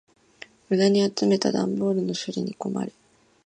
無駄に集めた段ボールの処理に困る。